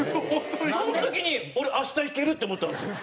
その時に俺明日いけるって思ったんですよ。